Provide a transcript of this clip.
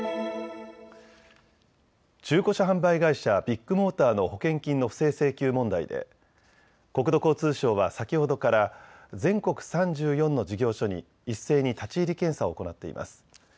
中古車販売会社、ビッグモーターの保険金の不正請求問題で国土交通省は先ほどから全国３４の事業所に一斉に立ち入り検査を行っています。